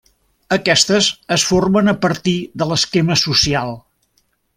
Aquestes es formen a partir de l'esquema social.